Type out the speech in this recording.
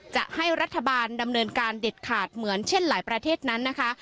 จะให้รัฐบาลดำเนินการเด็ดขาดเหมือนเช่นหลายประเทศนั้นนะคะ